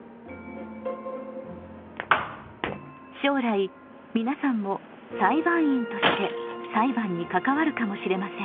将来みなさんも裁判員として裁判に関わるかもしれません。